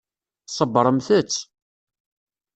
Ṣebbṛemt-tt.